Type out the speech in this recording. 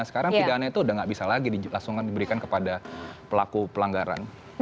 sekarang pidana itu sudah tidak bisa lagi diberikan kepada pelaku pelanggaran